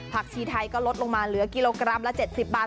ชีไทยก็ลดลงมาเหลือกิโลกรัมละ๗๐บาท